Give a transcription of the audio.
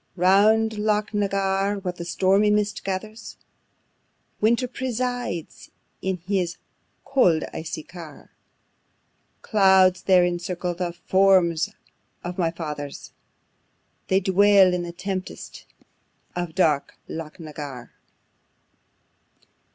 Round Loch na Garr, while the stormy mist gathers, Winter presides in his cold icy car: Clouds, there, encircle the forms of my Fathers; They dwell in the tempests of dark Loch na Garr.